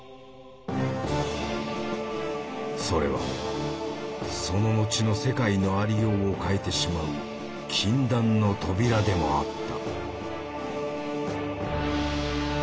それはその後の世界のありようを変えてしまう「禁断の扉」でもあった。